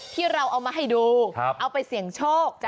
ที่เราเอามาให้ดูเอาไปเสี่ยงโชค